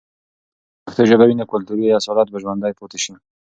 که پښتو ژبه وي، نو کلتوري اصالت به ژوندي پاتې سي.